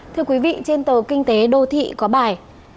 thưa quý vị trên tờ kinh tế đô thị có bài